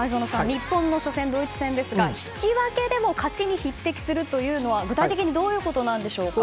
日本の初戦ドイツ戦ですが、引き分けでも勝ちに匹敵するというのは具体的にどういうことなんでしょうか。